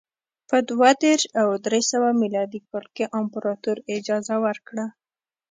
په دوه دېرش او درې سوه میلادي کال کې امپراتور اجازه ورکړه